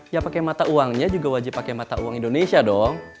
yang pake mata uangnya juga wajib pake mata uang indonesia dong